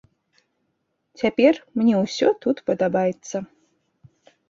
Цяпер мне ўсё тут падабаецца.